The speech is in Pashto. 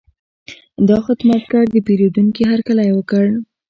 دا خدمتګر د پیرودونکي هرکلی وکړ.